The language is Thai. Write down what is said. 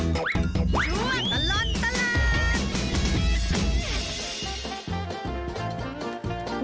ช่วงตลอดตลอด